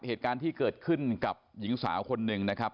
เหตุการณ์ที่เกิดขึ้นกับหญิงสาวคนหนึ่งนะครับ